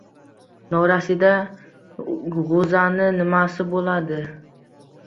Norasida g‘o‘zani nimasi bo‘ladi?